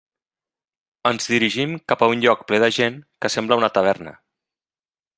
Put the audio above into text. Ens dirigim cap a un lloc ple de gent que sembla una taverna.